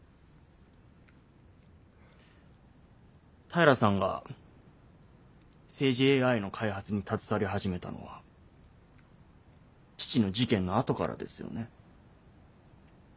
平さんが政治ＡＩの開発に携わり始めたのは父の事件のあとからですよね？